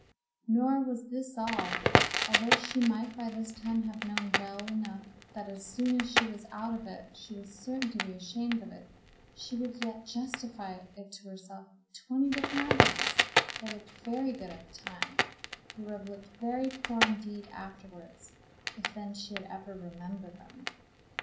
Nor was this all: although she might by this time have known well enough that as soon as she was out of it she was certain to be ashamed of it, she would yet justify it to herself with twenty different arguments that looked very good at the time, but would have looked very poor indeed afterwards, if then she had ever remembered them.